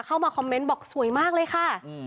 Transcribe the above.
เข้ามาคอมเมนต์บอกสวยมากเลยค่ะ